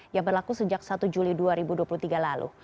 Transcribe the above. yang berlaku sejak satu juli dua ribu dua puluh tiga lalu